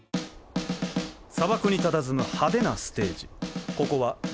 砂漠にたたずむ派手なステージ。